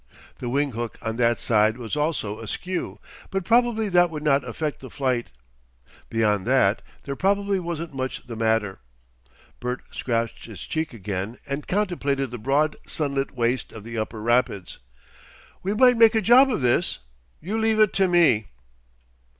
The wing hook on that side was also askew, but probably that would not affect the flight. Beyond that there probably wasn't much the matter. Bert scratched his cheek again and contemplated the broad sunlit waste of the Upper Rapids. "We might make a job of this.... You leave it to me."